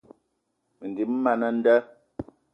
Mendim man a nda.